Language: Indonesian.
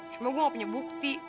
cuma gue gak punya bukti